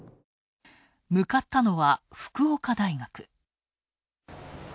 向かったのは、福岡大学。